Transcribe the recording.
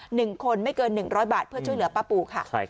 หนึ่งคนไม่เกินหนึ่งร้อยบาทเพื่อช่วยเหลือป้าปูค่ะใช่ครับ